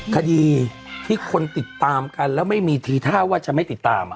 คดีที่คนติดตามกันแล้วไม่มีทีท่าว่าจะไม่ติดตาม